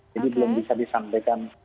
jadi belum bisa disampaikan